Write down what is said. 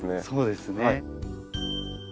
そうですね。